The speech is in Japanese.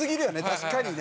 確かにね。